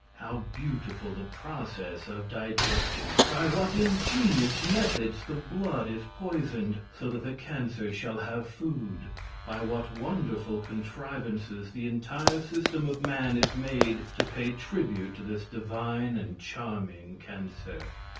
How beautiful the process of digestion! By what ingenious methods the blood is poisoned so that the cancer shall have food! By what wonderful contrivances the entire system of man is made to pay tribute to this divine and charming cancer!